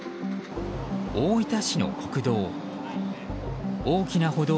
大分市の国道。